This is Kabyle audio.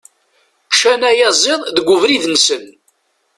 Ččan ayaziḍ deg ubrid-nsen.